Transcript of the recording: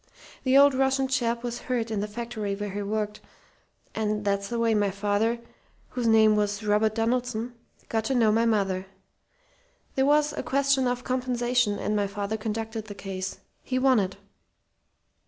The old Russian chap was hurt in the factory where he worked, and that's the way my father whose name was Robert Donaldson got to know my mother. There was a question of compensation, and my father conducted the case. He won it.